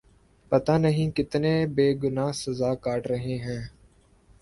پتا نہیں کتنے بے گنا سزا کاٹ رہے ہیں